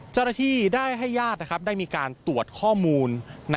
เจ้าหน้าที่ได้ให้ญาติได้มีการตรวจข้อมูล